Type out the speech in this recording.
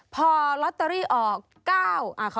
พอลอตเตอรี่ออก๗๕๙๔๑๕